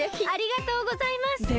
ありがとうございます！